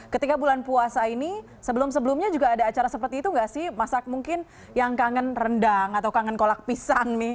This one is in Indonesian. ketika bulan puasa ini sebelum sebelumnya juga ada acara seperti itu nggak sih masak mungkin yang kangen rendang atau kangen kolak pisang nih